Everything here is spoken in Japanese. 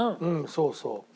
そうそう。